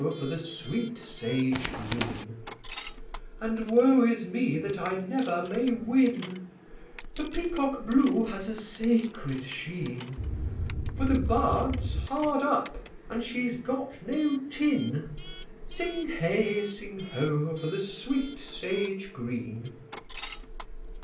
for the sweet Sage Green!_) And woe is me that I never may win; (The Peacock blue has a sacred sheen!) For the Bard's hard up, and she's got no tin. (_Sing Hey! Sing Ho! for the sweet Sage Green!